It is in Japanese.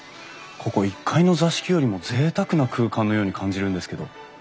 ここ１階の座敷よりもぜいたくな空間のように感じるんですけど。